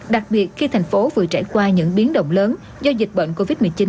đặc biệt khi thành phố vừa trải qua những biến động lớn do dịch bệnh covid một mươi chín